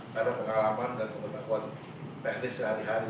karena pengalaman dan kebetulan teknis sehari hari